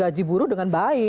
gaji buruh dengan baik